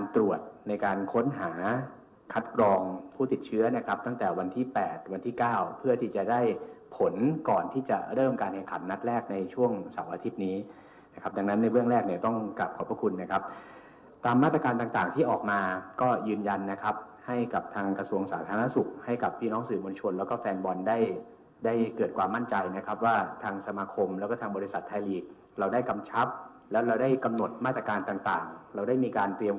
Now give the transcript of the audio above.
ติดเชื้อนะครับตั้งแต่วันที่๘วันที่๙เพื่อที่จะได้ผลก่อนที่จะเริ่มการแข่งขันนัดแรกในช่วงเสาร์อาทิบนี้นะครับดังนั้นในเวลาแรกเนี่ยต้องกลับขอบคุณนะครับตามมาตรการต่างที่ออกมาก็ยืนยันนะครับให้กับทางกระทรวงสาธารณสุขให้กับพี่น้องสื่อมวลชนแล้วก็แฟนบอลได้ได้เกิดความมั่นใจนะครับว